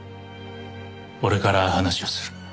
俺から話をする。